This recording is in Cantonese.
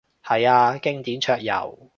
係啊，經典桌遊